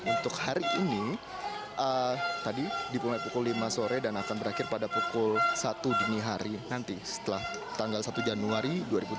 untuk hari ini tadi dimulai pukul lima sore dan akan berakhir pada pukul satu dini hari nanti setelah tanggal satu januari dua ribu dua puluh